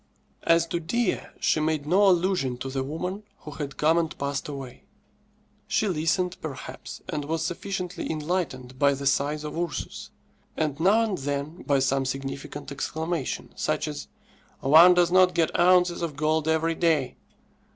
As to Dea, she made no allusion to the woman who had come and passed away. She listened, perhaps, and was sufficiently enlightened by the sighs of Ursus, and now and then by some significant exclamation, such as, "_One does not get ounces of gold every day!